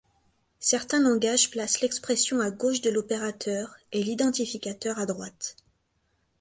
Certains langages placent l'expression à gauche de l'opérateur, et l'identificateur à droite.